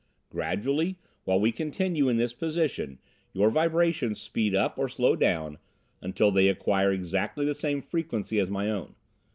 Gradually while we continue in this position your vibrations speed up or slow down until they acquire exactly the same frequency as my own.